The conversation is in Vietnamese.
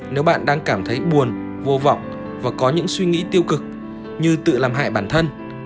nếu bạn đang cảm thấy buồn vô vọng và có những suy nghĩ tiêu cực như tự làm hại bản thân